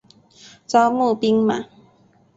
招募兵马。